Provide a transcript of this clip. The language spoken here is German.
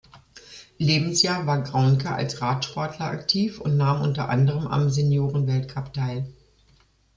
Lebensjahr war Graunke als Radsportler aktiv und nahm unter anderem am Senioren-Weltcup teil.